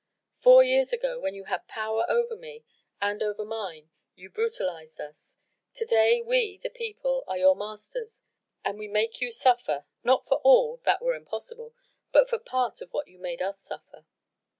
Four years ago, when you had power over me and over mine, you brutalised us. To day we the people are your masters and we make you suffer, not for all that were impossible but for part of what you made us suffer.